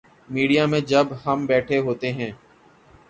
Media میں جب ہم بیٹھے ہوتے ہیں۔